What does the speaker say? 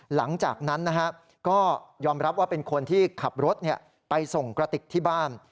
หลังจากนั้นก็ยอมรับว่าเป็นคนที่ขับรถไปส่งกระติกที่บ้าน